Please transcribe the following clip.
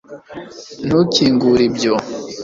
ntukingure ibyo